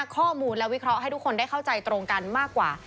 ข้อมูลและวิเคราะห์ให้ทุกคนได้เข้าใจตรงกันมากกว่า